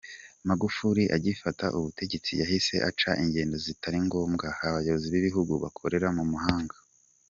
Magufuli agifata ubutegetsi yahise aca ingendo zitari ngombwa abayobozi b’igihugu bakorera mu mahanga.